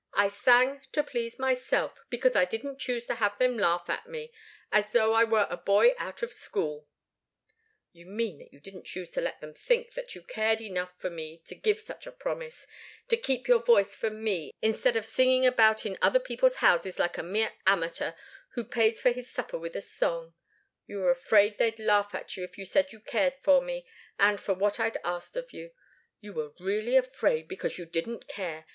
I sang to please myself, because I didn't choose to have them laugh at me, as though I were a boy out of school " "You mean that you didn't choose to let them think that you cared enough for me to give such a promise to keep your voice for me, instead of singing about in other people's houses like a mere amateur, who pays for his supper with a song. You were afraid they'd laugh at you if you said you cared for me, and for what I'd asked of you and you were really afraid, because you didn't really care.